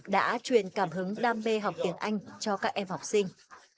đã truyền cảm hứng đam mê học tiếng anh cho các em học sinh